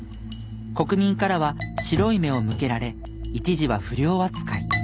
国民からは白い目を向けられ一時は不良扱い。